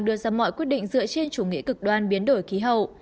đưa ra mọi quyết định dựa trên chủ nghĩa cực đoan biến đổi khí hậu